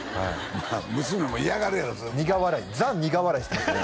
まあ娘も嫌がるやろ苦笑いザ・苦笑いしてましたね